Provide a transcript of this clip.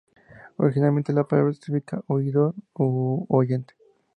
Originalmente la palabra significa "oidor" u "oyente".